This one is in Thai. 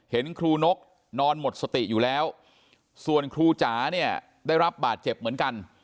เห็นครูนกนอนหมดสติอยู่แล้วส่วนครูจ๋าเนี่ยได้รับบาดเจ็บเหมือนกัน